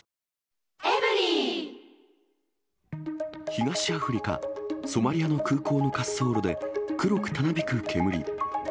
東アフリカ・ソマリアの空港の滑走路で、黒くたなびく煙。